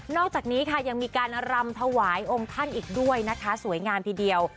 อกจากนี้ค่ะยังมีการรำถวายองค์ท่านอีกด้วยนะคะสวยงามทีเดียว